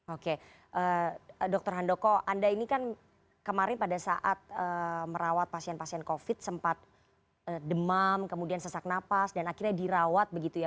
oke dr handoko anda ini kan kemarin pada saat merawat pasien pasien covid sempat demam kemudian sesak napas dan akhirnya dirawat begitu ya